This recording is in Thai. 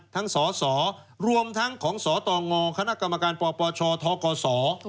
ทั้งสสรวมทั้งของสตงคกปปชทกส